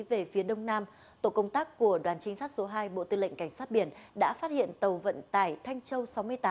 về phía đông nam tổ công tác của đoàn trinh sát số hai bộ tư lệnh cảnh sát biển đã phát hiện tàu vận tải thanh châu sáu mươi tám